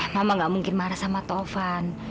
mama nggak mungkin marah sama taufan